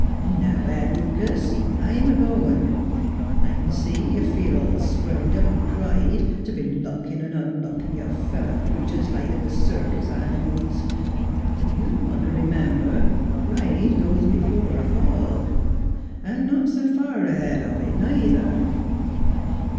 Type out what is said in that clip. ... Now, Ed Lucas, I'm a goin'. ... I c'n see 'at you feel all swelled up with pride t' be lockin' 'n' unlockin' your fellow creeters, like they was circus animals. But you want t' r'member pride goes b'fore a fall an' not s' fur ahead of it, neither."